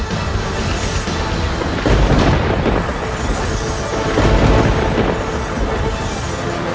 dan satu jenis